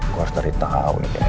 gue harus tari tau nih kayaknya